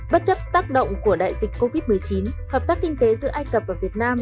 bất chấp tác động của đại dịch covid một mươi chín hợp tác kinh tế giữa ai cập và việt nam